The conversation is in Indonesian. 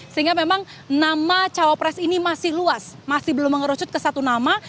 sehingga memang nama cawapres ini masih luas masih belum mengerucut ke satu nama